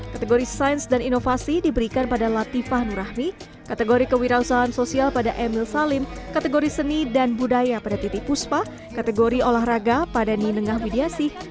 kategori sains dan inovasi diberikan pada latifah nurahmi kategori kewirausahaan sosial pada emil salim kategori seni dan budaya pada titi puspa kategori olahraga pada ninengah widiasih